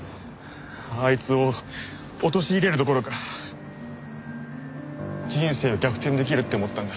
あいつを陥れるどころか人生を逆転できるって思ったんだ。